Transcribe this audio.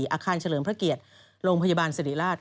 อาคารเฉลิมพระเกียรติโรงพยาบาลสิริราช